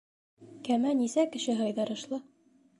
Кәмә нисә кеше һыйҙырышлы?